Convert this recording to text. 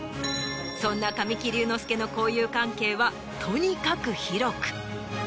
そんな神木隆之介の交友関係はとにかく広く。